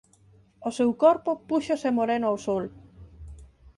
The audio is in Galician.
O seu corpo púxose moreno ó sol.